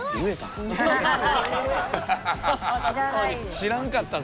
知らんかったぞ